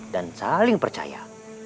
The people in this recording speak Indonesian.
dan saling percaya